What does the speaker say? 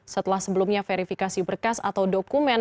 setelah sebelumnya verifikasi berkas atau dokumen